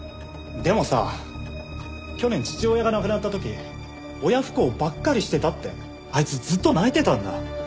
でもさ去年父親が亡くなった時親不孝ばっかりしてたってあいつずっと泣いてたんだ。